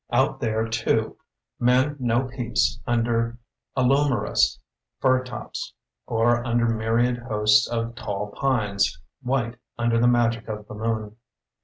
Out there, too, men know peace under slumberous fir tops ; or under myriad hosts of tall pines, white under the magic of the moon.